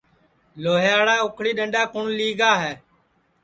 لھوھیاڑا اُکھݪی ڈؔنڈؔا کُوٹؔ لئگا ہے